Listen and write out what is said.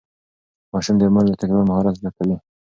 ماشوم د مور له تکرار مهارت زده کوي.